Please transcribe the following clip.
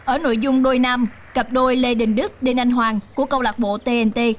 ở nội dung đôi nam cặp đôi lê đình đức đinh anh hoàng của câu lạc bộ tnt